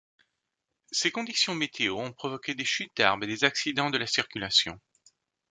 Ces conditions météo ont provoqué des chutes d'arbres et des accidents de la circulation.